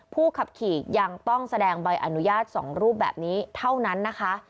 ผู้ขับขี่ยังต้องแสดงใบอนุญาต๒รูปแบบนี้เท่านั้นนะคะ